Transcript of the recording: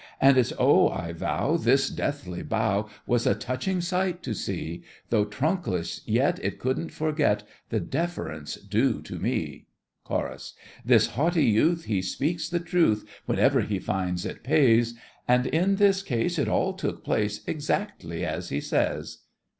And it's oh, I vow, This deathly bow Was a touching sight to see; Though trunkless, yet It couldn't forget The deference due to me! CHORUS. This haughty youth, He speaks the truth Whenever he finds it pays: And in this case It all took place Exactly as he says!